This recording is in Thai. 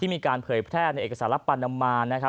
ที่มีการเผยแพร่ในเอกสารรับปัณธ์นำมา